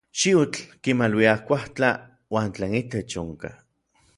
Xiutl kimaluia kuajtla uan tlen itech onka.